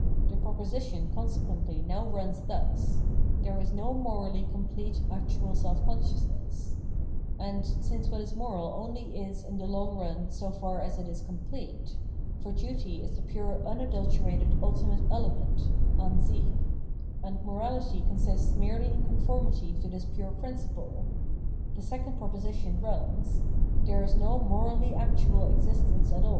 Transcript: The proposition consequently now runs thus: "there is no morally complete actual self consciousness"; and, since what is moral only is in the long run so far as it is complete, — for duty is the pure unadulterated ultimate element {Amich), and morality consists merely in conformity to this pure principle — the second pro position runs :" there is no morally actual existence at aU."